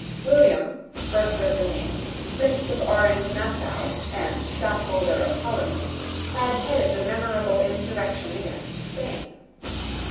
William, first of the name, Prince of Orange Nassau, and Stadtholder of Holland, had headed the memorable insurrection against Spain.